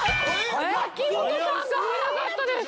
瀧本さんが早かったです。